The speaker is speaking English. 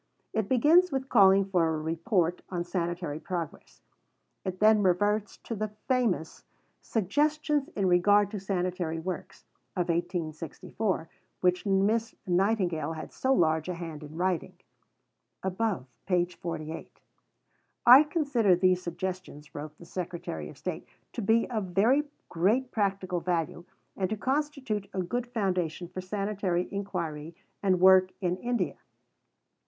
It begins with calling for a Report on Sanitary Progress. It then reverts to the famous "Suggestions in regard to Sanitary Works" of 1864, which Miss Nightingale had so large a hand in writing (above, p. 48). "I consider these Suggestions," wrote the Secretary of State, "to be of very great practical value and to constitute a good foundation for sanitary inquiry and work in India."